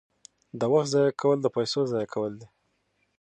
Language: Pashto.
د وخت ضایع کول د پیسو ضایع کول دي.